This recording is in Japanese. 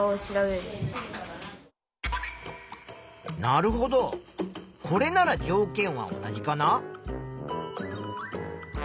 なるほどこれなら条件は同じかな？